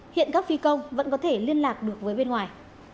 hiện các phi công vẫn có thể liên lạc được với bên ngoài